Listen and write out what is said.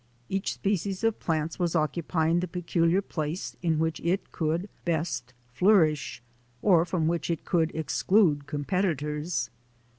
Each species of plants was occupying the peculiar place in which it could best flourish, or from which it could exclude competitors.